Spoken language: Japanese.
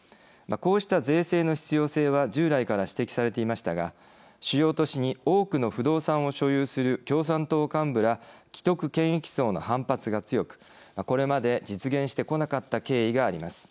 こうした税制の必要性は従来から指摘されていましたが主要都市に多くの不動産を所有する共産党幹部ら既得権益層の反発が強くこれまで実現してこなかった経緯があります。